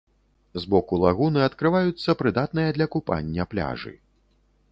З боку лагуны адкрываюцца прыдатныя для купання пляжы.